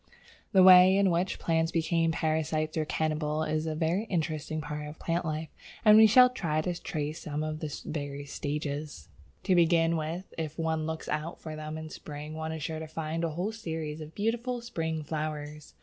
The way in which plants became parasites or cannibals is a very interesting part of plant life, and we shall try to trace some of the various stages. To begin with, if one looks out for them in spring one is sure to find a whole series of beautiful spring flowers.